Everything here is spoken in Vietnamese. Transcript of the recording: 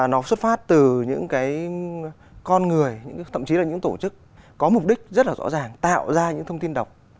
nó xuất phát từ những cái con người thậm chí là những tổ chức có mục đích rất là rõ ràng tạo ra những thông tin độc